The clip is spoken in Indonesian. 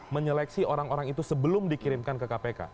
menyeleksi orang orang itu sebelum dikirimkan ke kpk